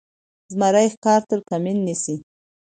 زمری ښکار ته کمین نیسي.